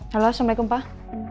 halo assalamualaikum pak